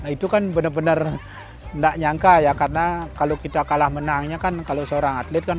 itu kan bener bener nggak nyangka ya karena kalau kita kalah menangnya kan kalau seorang atlet kan